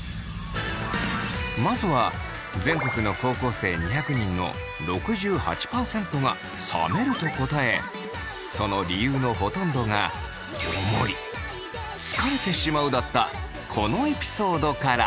まずは全国の高校生２００人の６８％が冷めると答えその理由のほとんどがこのエピソードから。